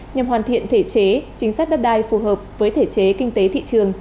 nhằm hoàn thiện thể chế chính sách đất đai phù hợp với thể chế kinh tế thị trường